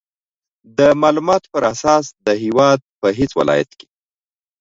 د مالوماتو په اساس د هېواد په هېڅ ولایت کې